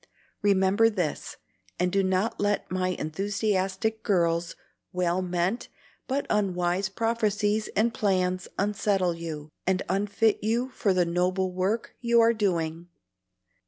Remember this, and do not let my enthusiastic girl's well meant but unwise prophecies and plans unsettle you, and unfit you for the noble work you are doing."